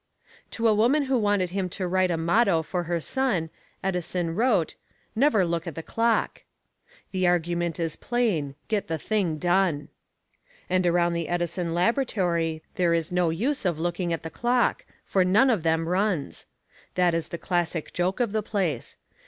To a woman who wanted him to write a motto for her son, Edison wrote, "Never look at the clock!" The argument is plain get the thing done. And around the Edison laboratory there is no use of looking at the clock, for none of them runs. That is the classic joke of the place.